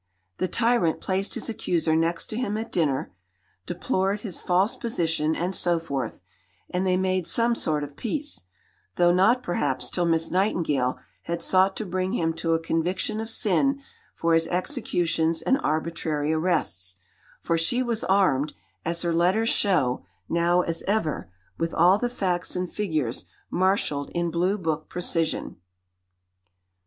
The tyrant placed his accuser next to him at dinner, deplored his "false position," and so forth, and they made some sort of peace; though not perhaps till Miss Nightingale had sought to bring him to a conviction of sin for his executions and arbitrary arrests, for she was armed, as her letters show, now as ever, with all the facts and figures marshalled in Blue book precision.